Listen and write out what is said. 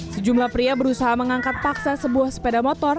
sejumlah pria berusaha mengangkat paksa sebuah sepeda motor